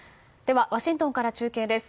ワシントンから中継です。